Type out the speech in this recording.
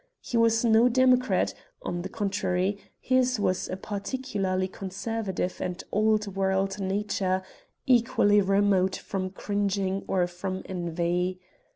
He was no democrat; on the contrary, his was a particularly conservative and old world nature, equally remote from cringing or from envy.